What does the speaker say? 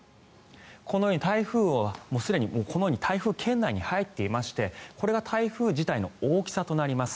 このようにすでに台風圏内に入っていましてこれが台風自体の大きさとなります。